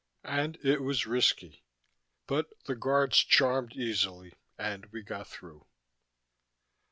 And it was risky. But the Guards charmed easily, and we got through.